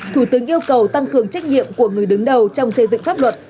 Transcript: thủ tướng yêu cầu tăng cường trách nhiệm của người đứng đầu trong xây dựng pháp luật